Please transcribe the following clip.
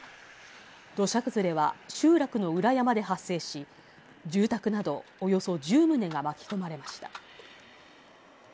土砂崩れは集落の裏山で発生し、住宅などおよそ１０棟が巻き込まれました。